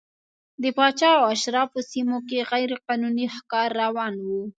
د پاچا او اشرافو سیمو کې غیر قانوني ښکار روان و.